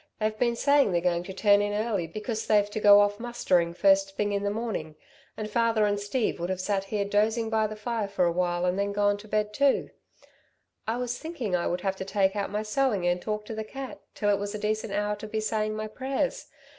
They've been saying they're going to turn in early because they've to go off mustering first thing in the morning, and father and Steve would have sat here dozing by the fire for a while, and then gone off to bed too. I was thinking I would have to take out my sewing and talk to the cat ... till it was a decent hour to be saying my prayers.